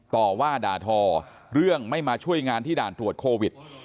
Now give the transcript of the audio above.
ต่อว่าด่าทอเรื่องไม่มาช่วยงานที่ด่านตรวจโควิด